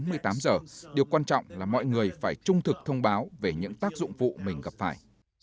nhiều nhất là bốn mươi tám giờ điều quan trọng là mọi người phải trung thực thông báo về những tác dụng phụ mình gặp phải